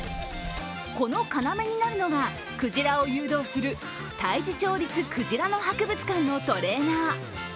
この要になるのがクジラを誘導する太地町立くじらの博物館のトレーナー。